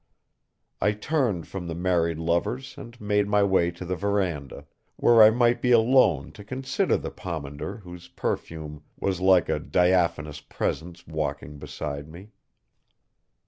I turned from the married lovers and made my way to the veranda, where I might be alone to consider the pomander whose perfume was like a diaphanous presence walking beside me.